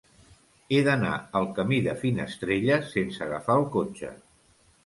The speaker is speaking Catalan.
He d'anar al camí de Finestrelles sense agafar el cotxe.